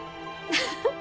フフフ。